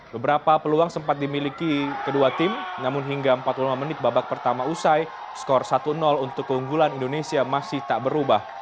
beberapa peluang sempat dimiliki kedua tim namun hingga empat puluh lima menit babak pertama usai skor satu untuk keunggulan indonesia masih tak berubah